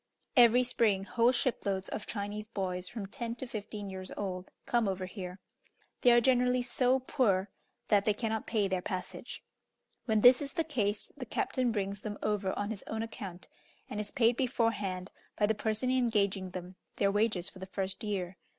Every spring, whole shiploads of Chinese boys, from ten to fifteen years old, come over here. They are generally so poor that they cannot pay their passage. When this is the case, the captain brings them over on his own account, and is paid beforehand, by the person engaging them, their wages for the first year.